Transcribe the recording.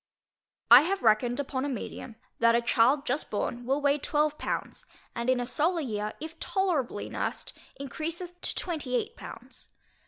I have reckoned upon a medium, that a child just born will weigh 12 pounds, and in a solar year, if tolerably nursed, encreaseth to 28 pounds.